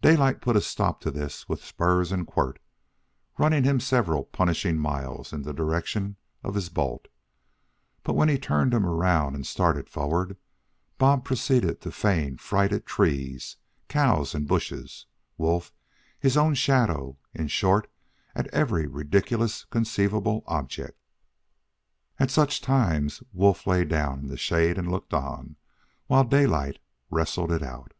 Daylight put a stop to this with spurs and quirt, running him several punishing miles in the direction of his bolt. But when he turned him around and started forward, Bob proceeded to feign fright at trees, cows, bushes, Wolf, his own shadow in short, at every ridiculously conceivable object. At such times, Wolf lay down in the shade and looked on, while Daylight wrestled it out.